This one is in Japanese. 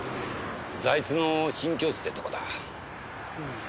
財津の新境地ってとこだ。